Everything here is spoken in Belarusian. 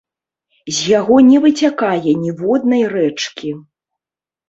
З яго не выцякае ніводнай рэчкі.